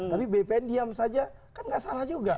tapi bpn diam saja kan nggak salah juga